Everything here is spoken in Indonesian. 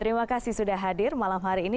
terima kasih sudah hadir malam hari ini